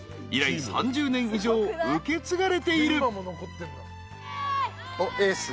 ［以来３０年以上受け継がれている］